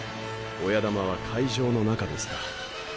親玉は会場の中ですか。